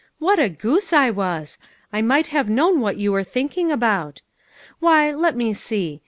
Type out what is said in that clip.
" What a goose I was. I might have known what you were thinking about. Why, let me see.